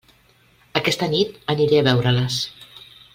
Aquesta nit aniré a veure-les.